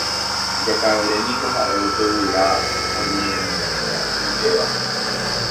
Jakavere niko ha'e upe guyra oñemoña'ivéva.